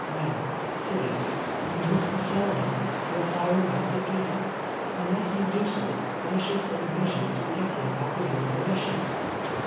Xow, Tibeats, you must sell him, or hire him out, at least. Unless yon do so, I shall take measures to get him out of your possession."